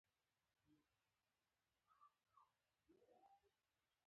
نیکه جانه د هجران لمبو کباب کړم.